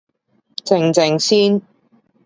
靜靜先